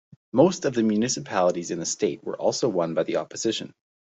Most of the municipalities in the State were also won by the opposition.